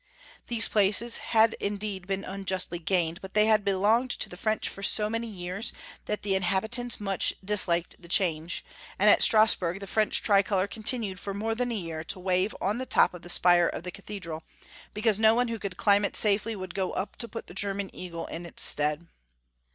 These places had in deed been unjustly gained, but they had belonged 474 Young Folks' History of Q ermany. to the French for so many years that the inhabit ants much disliked the change, and at Strasburg the French tricolor contmued for more than a year to wave on the top of the spire of the cathedral, because no one who could climb it safely would go up to put the German eagle in its stead.